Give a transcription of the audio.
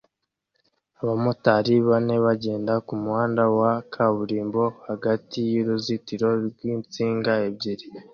Abamotari bane bagenda kumuhanda wa kaburimbo hagati y'uruzitiro rwinsinga ebyiri